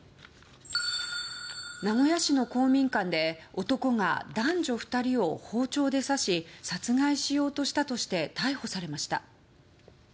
名古屋市の公民館で男が男女２人を包丁で刺し殺害しようとしたとして逮捕されました。